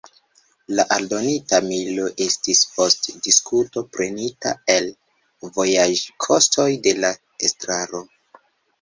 La aldonita milo estis post diskuto prenita el vojaĝkostoj de la estraro.